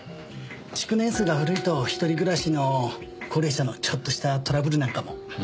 築年数が古いと一人暮らしの高齢者のちょっとしたトラブルなんかも。